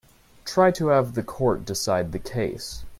Try to have the court decide the case.